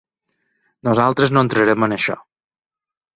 Nosaltres no entrarem en això.